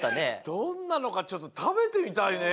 どんなのかちょっと食べてみたいね。